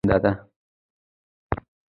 د فعالیتونو پلانول هم د ادارې دنده ده.